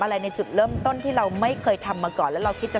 ในจุดเริ่มต้นที่เราไม่เคยทำมาก่อนแล้วเราคิดจะ